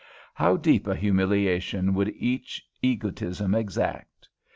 How deep a humiliation would each egotism exact?